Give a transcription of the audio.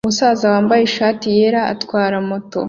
Umusaza wambaye ishati yera atwara moto